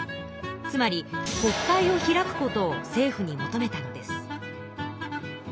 つまり国会を開くことを政府に求めたのです。